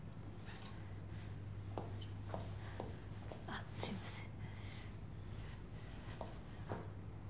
あすいません。